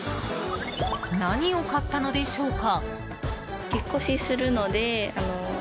何を買ったのでしょうか？